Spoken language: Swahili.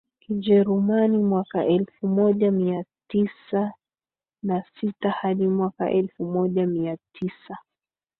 Kijerumani mwaka elfu moja mia tisa na sita hadi mwaka elfu moja mia tisa